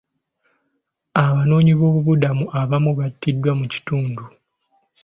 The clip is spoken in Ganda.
Abanoonyiboobubudamu abamu battiddwa mu kitundu.